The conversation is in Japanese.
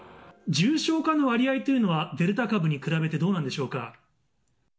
重症化の割合というのは、デルタ株に比べてどうなんでしょうか。